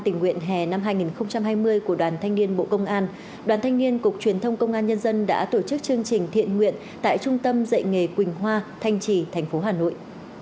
tình nguyện hè năm hai nghìn hai mươi của đoàn thanh niên bộ công an đoàn thanh niên cục truyền thông công an nhân dân đã tổ chức chương trình thiện nguyện tại trung tâm dạy nghề quỳnh hoa thanh trì thành phố hà nội